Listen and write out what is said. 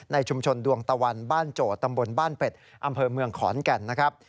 ชุมชนดวงตะวันบ้านโจทย์ตำบลบ้านเป็ดอำเภอเมืองขอนแก่นนะครับ